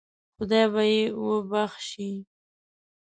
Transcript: خدای به یې وبخشي.